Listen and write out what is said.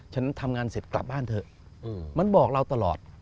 ฉันทำงานเสร็จกลับบ้านเถอะมันบอกเราตลอด